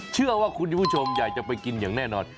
เชื่อว่าคุณผู้ชมอยากจะไปกินอย่างแน่นอน